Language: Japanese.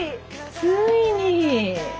ついに。